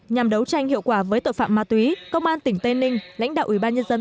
nhằm đấu tranh hiệu quả với tội phạm ma túy công an tỉnh tây ninh lãnh đạo ủy ban nhân dân